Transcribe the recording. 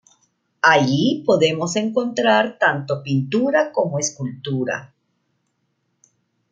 Allí podemos encontrar tanto pintura como escultura.